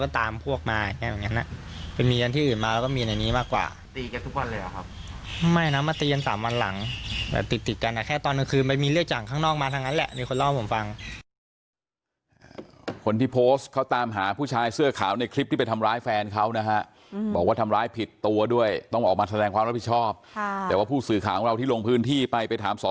ตีกันมา๓วันติดต่อกันแล้วก่อนจะเกิดคลิปนี้